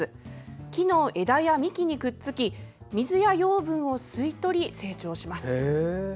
木の枝や幹にくっつき水や養分を吸い取り成長します。